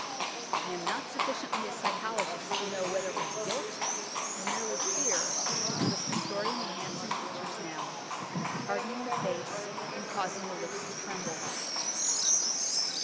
I am not sufficiently a psychologist to know whether it was guilt or merely fear which was distorting the handsome features now, hardening the face and causing the lips to tremble.